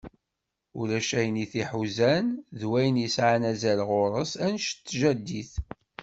Ulac ayen t-iḥuzan d wayen yesεan azal γuṛ-s annect n tjaddit.